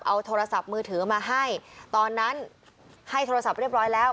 เอาโทรศัพท์มือถือมาให้ตอนนั้นให้โทรศัพท์เรียบร้อยแล้ว